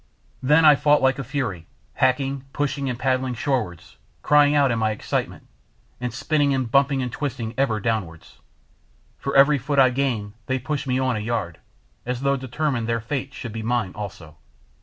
Then I fought like a fury, hacking, pushing, and paddling shorewards, crying out in my excitement, and spinning and bumping and twisting ever downwards. For every foot I gained they pushed me on a yard, as though determined their fate should be mine also.